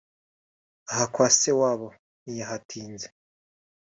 Aha kwa se wabo ntiyahatinze